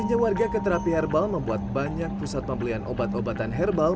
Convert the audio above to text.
tingginya warga ke terapi herbal membuat banyak pusat pembelian obat obatan herbal